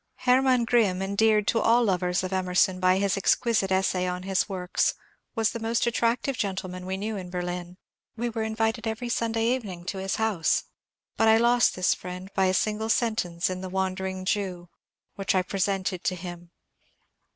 Herman Grimm, endeared to all lovers of Emerson by his exquisite essay on his works, was the most attracfive gentleman we knew in Berlin ; we were invited every Sunday evening to his house ; but I lost this friend by a single sentence in ^^ The Wandering Jew " which I presented to him.